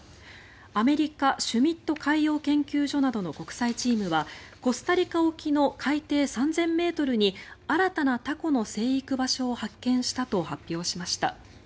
アメリカ・シュミット海洋研究所などの国際チームはコスタリカ沖の海底３０００ｍに新たなタコの生育場所を発見したと発表しました。